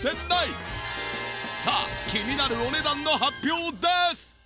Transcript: さあ気になるお値段の発表です！